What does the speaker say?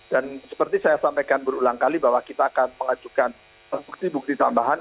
dan seperti saya sampaikan berulang kali bahwa kita akan mengajukan bukti bukti tambahan